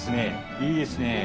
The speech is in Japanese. いいですね。